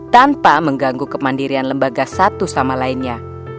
tanpa mengganggu kemandirian lembaga satu sama lainnya